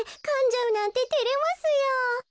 かんじゃうなんててれますよ。